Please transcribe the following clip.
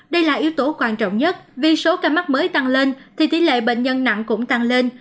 đây là yếu tố quan trọng nhất vì số ca mắc mới tăng lên thì tỷ lệ bệnh nhân nặng cũng tăng lên